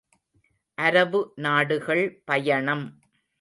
● அரபு நாடுகள் பயணம்.